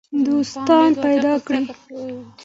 دوستان پیدا کړئ.